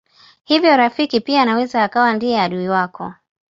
Hivyo rafiki pia anaweza akawa ndiye adui wako.